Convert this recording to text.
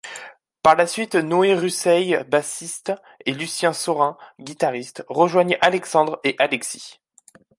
Par la suite, Noé Russeil, bassiste, et Lucien Saurin, guitariste, rejoignent Alexandre et Alexis.